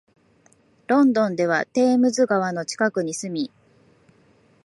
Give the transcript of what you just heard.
ロンドンではテームズ川の近くに住み、